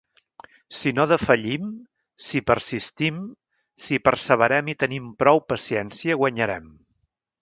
Si no defallim, si persistim, si perseverem i tenim prou paciència guanyarem.